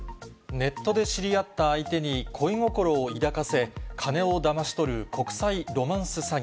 ネットで知り合った相手に恋心を抱かせ、金をだまし取る国際ロマンス詐欺。